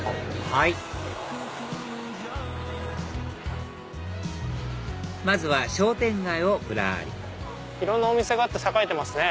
はいまずは商店街をぶらりいろんなお店があって栄えてますね。